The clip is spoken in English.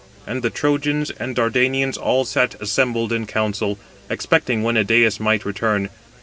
And the Trojans and Dardanians all sat assembled in council, expecting when Idæus might return.